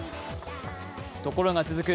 ところが続く